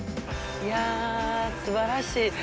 いやすばらしい。